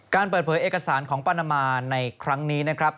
การเปิดเผยเอกสารของปานามาในครั้งนี้นะครับ